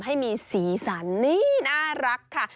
ให้มีสีสันนี่น่ารักค่ะ